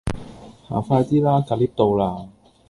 行快 D 啦！架 𨋢 到啦